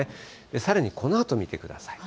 さらにこのあと見てください。